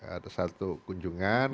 ada satu kunjungan